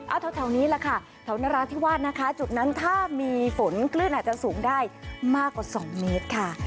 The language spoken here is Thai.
เอาแถวนี้แหละค่ะแถวนราธิวาสนะคะจุดนั้นถ้ามีฝนคลื่นอาจจะสูงได้มากกว่า๒เมตรค่ะ